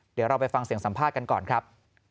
เดี๋ยวเราไปฟังเสียงสัมภาษณ์กันก่อนครับ